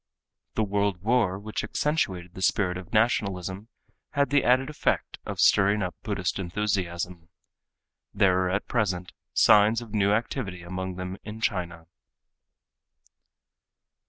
The world war which accentuated the spirit of nationalism had the added effect of stirring up Buddhist enthusiasm. There are at present signs of new activity among them in China.